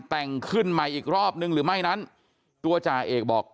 แต่งขึ้นใหม่อีกรอบนึงหรือไม่นั้นตัวจ่าเอกบอก